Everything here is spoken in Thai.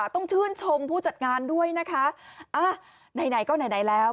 ต้องชื่นชมผู้จัดงานด้วยนะคะไหนก็ไหนไหนแล้ว